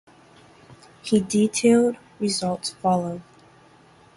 His detailed results follow.